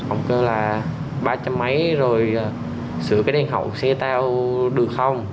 ổng kêu là ba trăm linh mấy rồi sửa cái đèn hậu xe tao được không